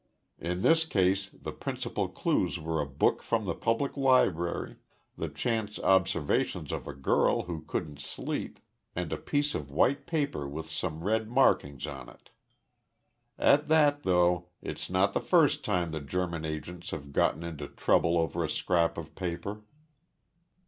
In this case the principal clues were a book from the Public Library, the chance observations of a girl who couldn't sleep and a piece of white paper with some red markings on it. "At that, though, it's not the first time that German agents have gotten into trouble over a scrap of paper."